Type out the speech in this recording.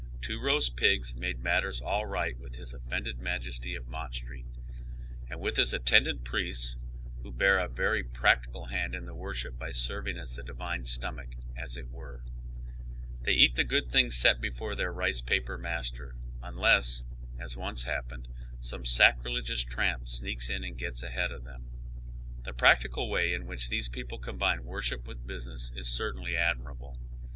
Two roast pigs made matters all right with his offended majesty of Mott Street, and with his attendant priests, who bear a very practical hand in the worship by serving as the divine stomach, as it wera They eat the good things set before their rice paper master, unless, as once happened, BOme sacrilegious tramp sneaks in and gets ahead of them. The practical way in which these people combine wor ship with business is certainly admirable.